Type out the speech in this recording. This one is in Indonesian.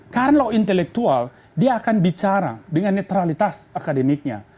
karena intelektual dia akan bicara dengan netralitas akademiknya